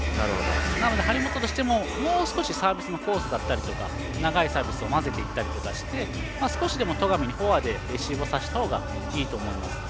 なので張本としても、もう少しサービスのコースだったり長いサービスを混ぜていったりして少しでも戸上にフォアでレシーブさせた方がいいと思います。